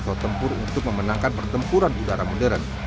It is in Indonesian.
pesawat tempur untuk memenangkan pertempuran udara modern